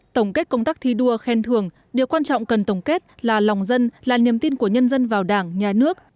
tổng kết công tác thi đua khen thưởng điều quan trọng cần tổng kết là lòng dân là niềm tin của nhân dân vào đảng nhà nước